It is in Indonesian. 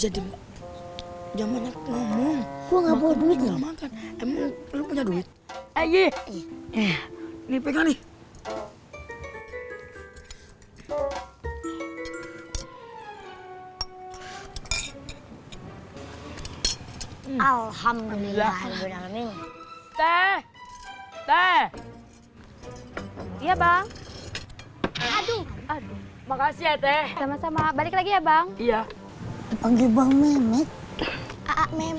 alhamdulillah teh teh iya bang aduh aduh makasih ya teh sama sama balik lagi ya bang iya